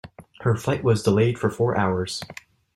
Her flight was delayed for four hours.